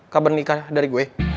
kabar nikah dari gue